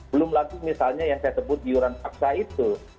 belum lagi misalnya yang saya sebut iuran paksa itu